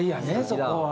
そこは。